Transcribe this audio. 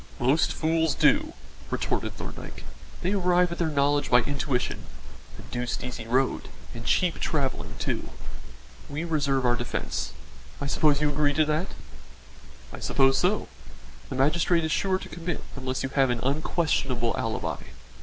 "Most fools do," retorted Thorndyke. "They arrive at their knowledge by intuition a deuced easy road and cheap travelling too. We reserve our defence I suppose you agree to that?" "I suppose so. The magistrate is sure to commit unless you have an unquestionable alibi."